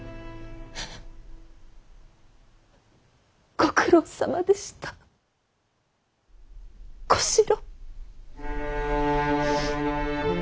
ご苦労さまでした小四郎。